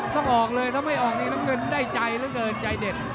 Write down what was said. ต้องออกเลยถ้าไม่ออกนี่น้ำเงินได้ใจเหลือเกินใจเด็ด